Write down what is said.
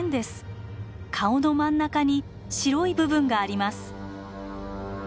顔の真ん中に白い部分があります。